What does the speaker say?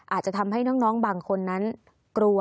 อาจจะทำให้น้องบางคนนั้นกลัว